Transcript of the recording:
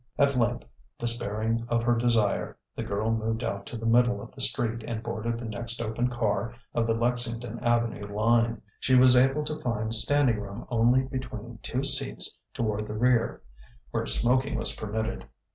At length despairing of her desire, the girl moved out to the middle of the street and boarded the next open car of the Lexington Avenue line. She was able to find standing room only between two seats toward the rear, where smoking was permitted.